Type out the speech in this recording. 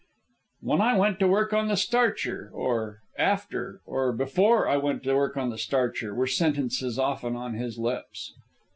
"When I went to work on the starcher," or, "after," or "before I went to work on the starcher," were sentences often on his lips.